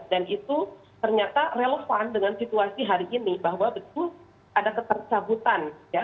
dan itu ternyata relevan dengan situasi hari ini bahwa betul ada ketercabutan ya